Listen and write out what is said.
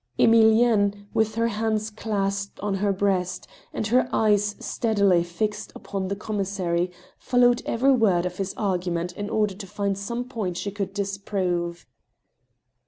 Emilienne, with her hands clasped on her breast, and her eyes steadily fixed upon the commissary, followed every word of his argu ment in order to find some point she could disprove.